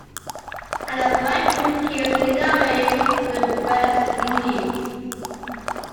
I know five bookies made their way to the West Indies.